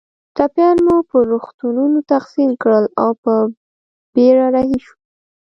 ټپیان مو پر روغتونونو تقسیم کړل او په بېړه رهي شوو.